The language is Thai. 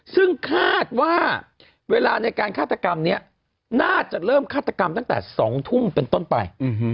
ซึ่งคาดว่าเวลาในการฆาตกรรมนี้น่าจะเริ่มฆาตกรรมตั้งแต่๒ทุ่มเป็นต้นไป